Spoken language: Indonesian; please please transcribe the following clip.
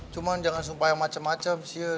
cuman jangan sumpah yang macem macem sih